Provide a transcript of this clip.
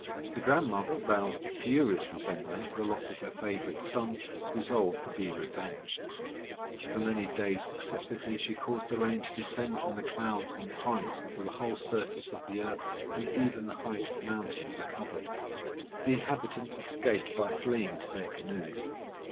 The grandmother, roused to furious resentment for the loss of her favourite son, resolved to be revenged. For many days successively she caused the rain to descend from the clouds in torrents, until the whole surface of the earth, and even the highest mountains, were covered. The inhabitants escaped by fleeing to their canoes.